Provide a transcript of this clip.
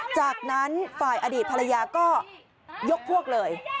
จากนั้นฝ่ายอดีตภรรยาก็ยกพวกเลย